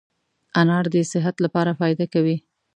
انار دي صحت لپاره فایده کوي